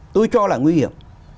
tôi cho là nguy hiểm